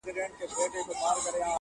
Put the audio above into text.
قومندان سره خبري کوي او څه پوښتني کوي,